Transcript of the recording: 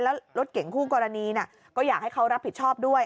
แล้วรถเก่งคู่กรณีก็อยากให้เขารับผิดชอบด้วย